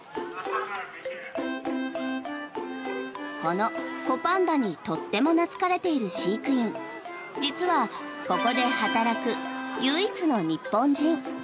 この子パンダにとても懐かれている飼育員実は、ここで働く唯一の日本人。